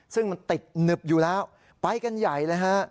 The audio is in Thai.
ซึ่งมันติดหนึบอยู่แล้วไปกันใหญ่เลยฮะ